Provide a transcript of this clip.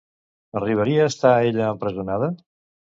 Arribaria a estar ella empresonada?